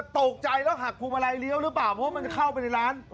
ตกใจแล้วหักพวงมาลัยเลี้ยวหรือเปล่าเพราะมันเข้าไปในร้าน